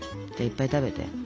いっぱい食べよ。